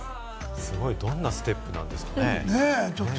すごい、どんなステップなんですかね？